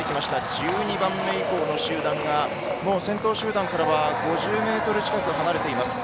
１２番目以降の集団は先頭集団からは５０ｍ近く離れています。